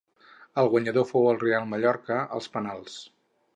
El guanyador fou el Reial Mallorca als penals.